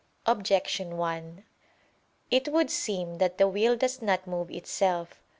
Objection 1: It would seem that the will does not move itself.